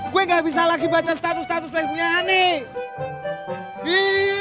gue gak bisa lagi baca status status leh punya aneh